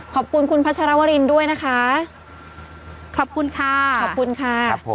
ขอบคุณคุณพัชรวรินด้วยนะคะขอบคุณค่ะขอบคุณค่ะ